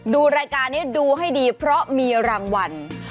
ดูรายการนี้ดูให้ดีเพราะมีรางวัล